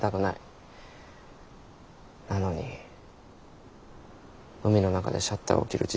なのに海の中でシャッターを切る自信がなくてさ。